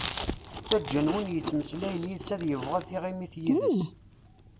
Ttaǧǧan win yettmeslayen yid-s ad yebɣu tiɣimit yid-s.